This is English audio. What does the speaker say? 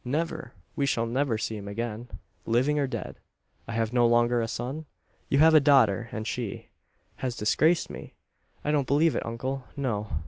"Never! we shall never see him again living or dead. I have no longer a son?" "You have a daughter; and she " "Has disgraced me!" "I don't believe it, uncle no."